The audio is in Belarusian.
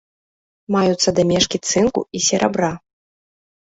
Маюцца дамешкі цынку і серабра.